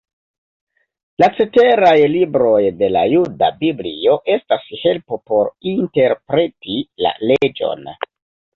La ceteraj libroj de la juda biblio estas helpo por interpreti la leĝon.